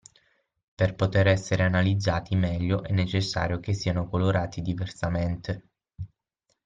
Per poter essere analizzati meglio è necessario che siano colorati diversamente.